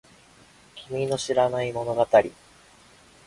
君の知らない物語